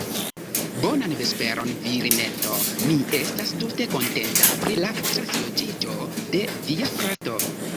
Bonan vesperon, virineto; mi estas tute kontenta pri la transloĝiĝo de via frato.